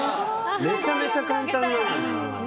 めちゃめちゃ簡単なのに。